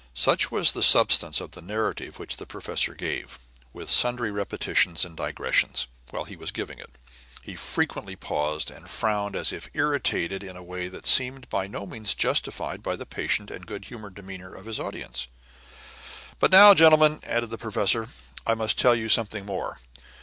Such was the substance of the narrative which the professor gave with sundry repetitions and digressions; while he was giving it, he frequently paused and frowned as if irritated in a way that seemed by no means justified by the patient and good humored demeanor of his audience. "But now, gentlemen," added the professor, "I must tell you something more.